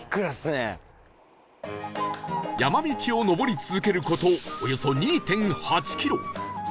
山道を上り続ける事およそ ２．８ キロ